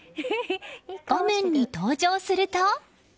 画面に登場すると。